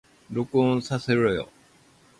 録音させろよ